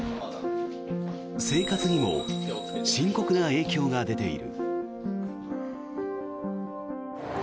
生活にも深刻な影響が出ている。